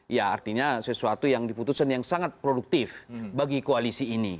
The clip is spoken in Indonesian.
ya artinya sesuatu yang diputuskan yang sangat produktif bagi koalisi ini